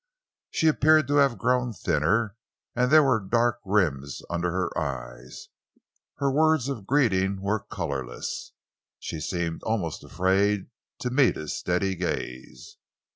She appeared to have grown thinner, and there were dark rims under her eyes. Her words of greeting were colourless. She seemed almost afraid to meet his steady gaze.